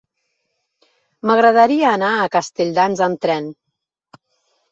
M'agradaria anar a Castelldans amb tren.